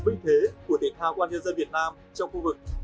vinh thế của thể thao công an nhân dân việt nam trong khu vực